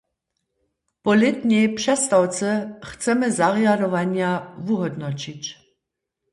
Po lětnjej přestawce chcemy zarjadowanja wuhódnoćić.